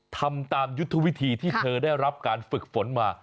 ทำตามยุทธวิธีที่เธอได้รับการฝึกฝนมา